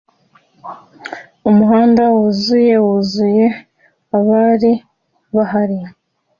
Umuhanda wuzuye wuzuye abari bahari